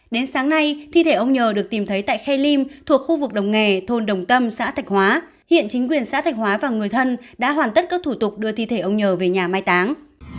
đến sáng nay thi thể ông nhờ được tìm thấy tại khe lim thuộc khu vực đồng nghề thôn đồng tâm xã thạch hóa hiện chính quyền xã thạch hóa và người thân đã hoàn tất các thủ tục đưa thi thể ông nhờ về nhà mai táng